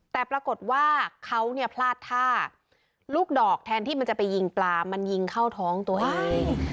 แต่ปรากฏว่าเขาเนี่ยพลาดท่าลูกดอกแทนที่มันจะไปยิงปลามันยิงเข้าท้องตัวเอง